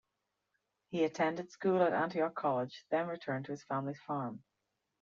He attended school at Antioch College then returned to his family's farm.